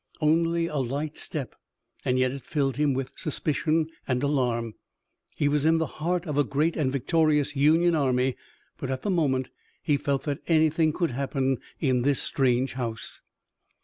Only a light step, and yet it filled him with suspicion and alarm. He was in the heart of a great and victorious Union army, but at the moment he felt that anything could happen in this strange house.